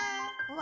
「わ！」